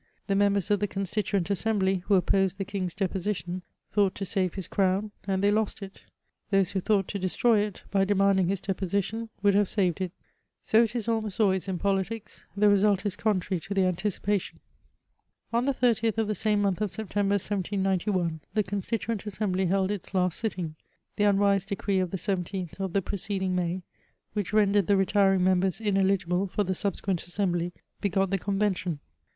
Tlie members of the Constitaeiit Aasemblj, who opposed the kingf s depositioix, thought to sare his crown, and they lost it ; those who thought to destroy it, by demandiiig his depositioii, would bare sa^ed it* So it is almost ahray» in pdiitics ; the zesidt is contrary to the antidpfttion* On the 30th of the same month of September, 1791, the Constitoent Assembly held its last sitting ; the imwise decree of the 17th of the preceding May, which rendered the retiring members ineligible for the sabsequ^it Assendbly, b^ot the Ccm yention.